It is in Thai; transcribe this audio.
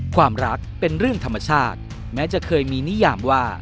ความรักเป็นเรื่องธรรมชาติแม้จะเคยมีนิยามว่า